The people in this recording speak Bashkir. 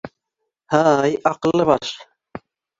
Һай, аҡыллы баш!